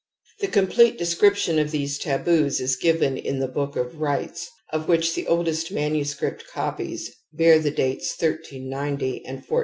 The complete description of these taboos is given in the Book of Rights ^ of which the oldest manuscript copies bear the dates 1890 and 1418.